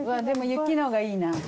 でも雪の方がいいな。